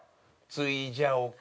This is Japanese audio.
◆ついじゃおか？